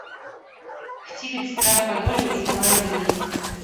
Хцівец страх падолеў і капае далей.